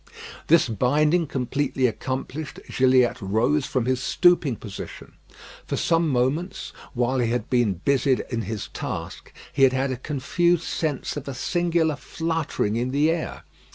This binding completely accomplished, Gilliatt rose from his stooping position. For some moments, while he had been busied in his task, he had had a confused sense of a singular fluttering in the air.